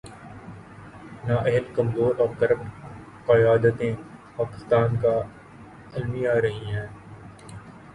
نا اہل‘ کمزور اور کرپٹ قیادتیں پاکستان کا المیہ رہی ہیں۔